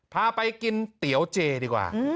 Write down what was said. พาไปกินเตี๋ยวเจดีกว่า